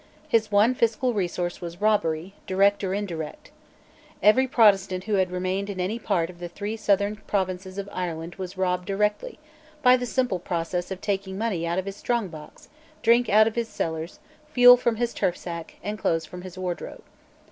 His one fiscal resource was robbery, direct or indirect. Every Protestant who had remained in any part of the three southern provinces of Ireland was robbed directly, by the simple process of taking money out of his strong box, drink out of his cellars, fuel from his turf stack, and clothes from his wardrobe.